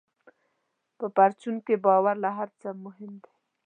په پرچون کې باور له هر څه مهم دی.